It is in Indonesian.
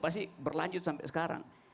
pasti berlanjut sampai sekarang